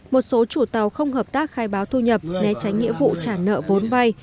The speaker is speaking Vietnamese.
một số chủ tàu không hợp tác khai báo thu nhập né tránh nghĩa vụ trả nợ vốn vay